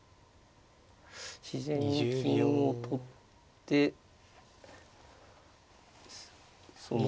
自然に金を取ってその。